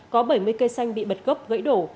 có bảy mươi cây xanh bị bật gốc gãy đổ